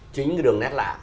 chính cái đường nét lạ